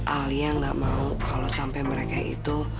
alia nggak mau kalau sampai mereka itu